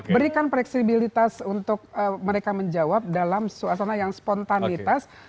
berikan fleksibilitas untuk mereka menjawab dalam suasana yang spontanitas